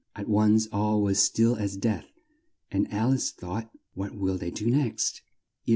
At once all was still as death, and Al ice thought, "What will they do next?